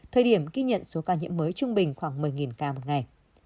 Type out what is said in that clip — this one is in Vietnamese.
thời điểm ghi nhận số ca nhiễm mới trung bình khoảng một mươi ca một ngày